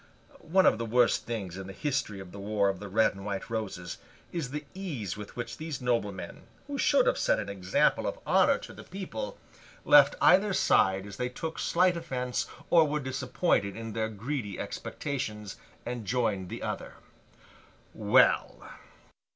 One of the worst things in the history of the war of the Red and White Roses, is the ease with which these noblemen, who should have set an example of honour to the people, left either side as they took slight offence, or were disappointed in their greedy expectations, and joined the other. Well!